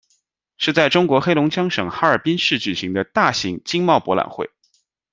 是在中国黑龙江省哈尔滨市举行的大型经贸博览会。